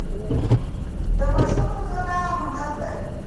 د ماشوم روزنه هنر دی.